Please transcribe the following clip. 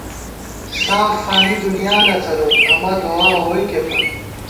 ساف فانی دُنیانہ څَلوت ، امہ دُعاں ووئیکے پت